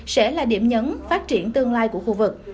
sẽ là điểm nhấn phát triển tương lai của khu vực